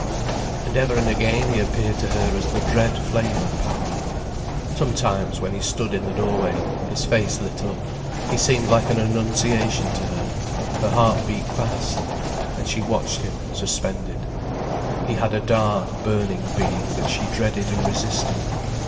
And ever and again he appeared to her as the dread flame of power. Sometimes, when he stood in the doorway, his face lit up, he seemed like an Annunciation to her, her heart beat fast. And she watched him, suspended. He had a dark, burning being that she dreaded and resisted.